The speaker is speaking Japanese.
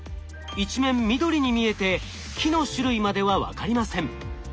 一面緑に見えて木の種類までは分かりません。